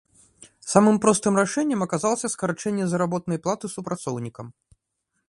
Самым простым рашэннем аказалася скарачэнне заработнай платы супрацоўнікам.